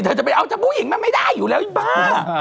จะไปเอาถ้าผู้หญิงมันไม่ได้อยู่แล้วอีบ้า